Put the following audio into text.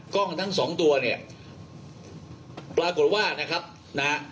กล้องทั้งสองตัวเนี่ยปรากฏว่านะครับนะฮะ